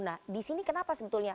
nah di sini kenapa sebetulnya